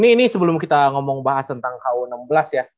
ini sebelum kita ngomong bahas tentang ku enam belas ya